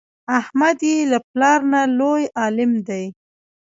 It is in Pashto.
احمد یې له پلار نه لوی عالم دی.